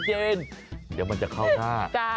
เดี๋ยวมันจะเข้าหน้า